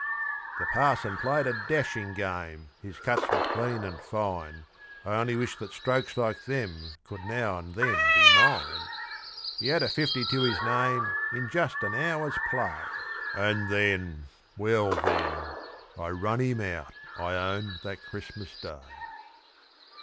The Parson played a dashing game, his cuts were clean and fine; I only wish that strokes like them could now and then be mine. He had a fifty to his name in just an hour's play, And then well, then I run him out, I own, that Christmas Day.